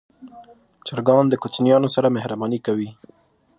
چرګان د کوچنیانو سره مهرباني کوي.